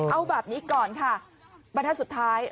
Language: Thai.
เอาแบบนี้ก่อนค่ะบรรทัศน์สุดท้าย